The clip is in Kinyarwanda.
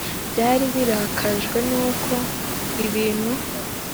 byari birakajwe n'uko ibintu.